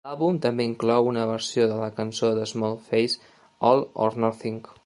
L'àlbum també inclou una versió de la cançó de Small Faces "All or Nothing".